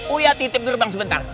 oh ya titip gerbang sebentar